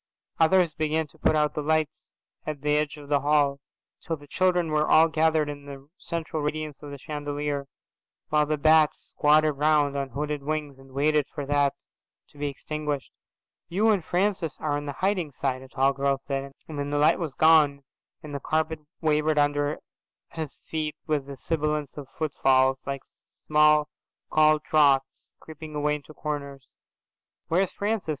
Others began to put out the lights at the edge of the hall, till the children were all gathered in the central radiance of the chandelier, while the bats squatted round on hooded wings and waited for that, too, to be extinguished. "You and Francis are on the hiding side," a tall girl said, and then the light was gone, and the carpet wavered under his feet with the sibilance of footfalls, like small cold draughts, creeping away into corners. "Where's Francis?"'